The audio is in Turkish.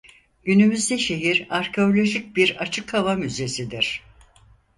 Günümüzde şehir arkeolojik bir açık hava müzesidir.